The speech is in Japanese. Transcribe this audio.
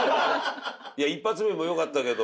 いや１発目も良かったけど。